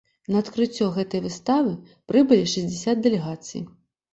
На адкрыццё гэтай выставы прыбылі шэсцьдзесят дэлегацый.